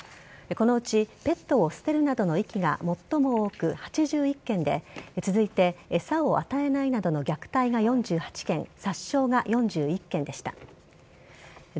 このうち、ペットを捨てるなどの遺棄が最も多く８１件で続いて餌を与えないなどの虐待が４８件殺傷が４１件でした。